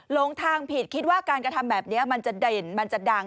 ลงทางผิดคิดว่าการกระทำแบบนี้มันจะเด่นมันจะดัง